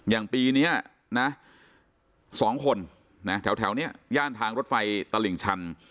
อย่างปีนี้นะ๒คนแถวนี้ย่านทางรถไฟตลิ่งชัน